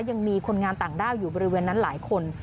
ยังมีคนงานต่างด้าวอยู่บริเวณนั้นหลายคน